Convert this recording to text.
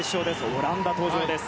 オランダ登場です。